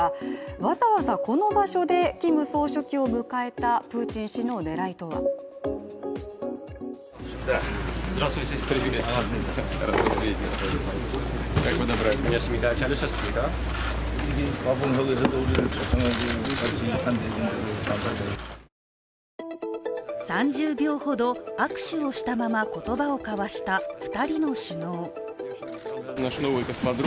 わざわざこの場所で、キム総書記を迎えたプーチン氏の狙いとは３０秒ほど握手をしたまま言葉を交わした２人の首脳。